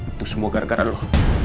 itu semua gara gara loh